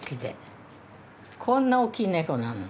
こんなおっきい猫なの。